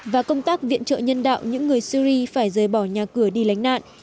và công tác viện trợ nhân đạo những người syri phải rời bỏ nhà cửa đi lánh nạn